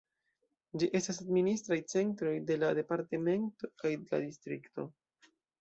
Ĝi estas administraj centroj de la departemento kaj la distrikto.